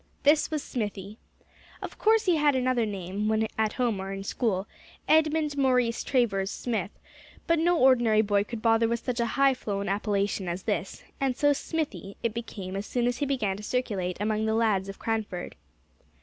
This was "Smithy." Of course he had another name when at home or in school Edmund Maurice Travers Smith; but no ordinary boy could bother with such a high flown appellation as this; and so "Smithy" it became as soon as he began to circulate among the lads of Cranford.